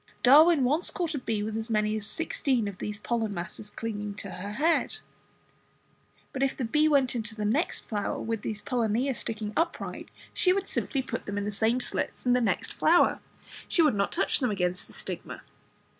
Darwin once caught a bee with as many as sixteen of these pollen masses clinging to her head. But if the bee went into the next flower with these pollinia sticking upright, she would simply put them into the same slits in the next flower, she would not touch them against the stigma.